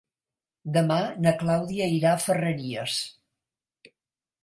Demà na Clàudia irà a Ferreries.